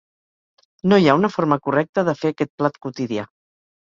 No hi ha una forma correcta de fer aquest plat quotidià.